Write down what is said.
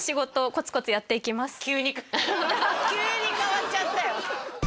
メグ急に急に変わっちゃったよ